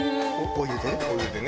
お湯でね。